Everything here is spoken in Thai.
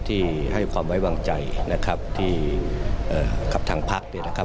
ที่ให้ความไว้วางใจนะครับที่กับทางภักดิ์นะครับ